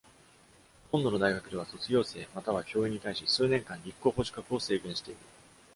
ほとんどの大学では、卒業生または教員に対し、数年間、立候補資格を制限している。